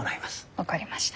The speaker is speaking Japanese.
分かりました。